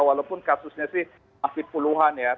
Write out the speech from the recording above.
walaupun kasusnya sih masih puluhan ya